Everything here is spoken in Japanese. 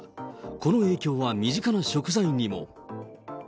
この影響は身近な食材にも。